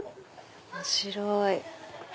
面白い。